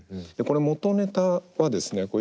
これ元ネタはですね